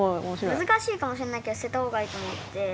難しいかもしんないけど捨てた方がいいと思って。